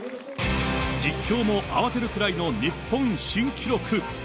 実況も慌てるぐらいの日本新記録。